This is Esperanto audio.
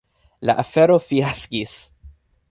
La afero fiaskis.